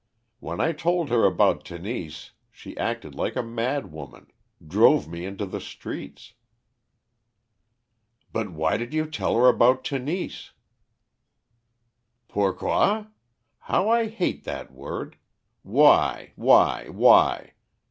When I told her about Tenise, she acted like a mad woman drove me into the streets." "But why did you tell her about Tenise?" "Pourquoi? How I hate that word! Why! Why!! Why!!!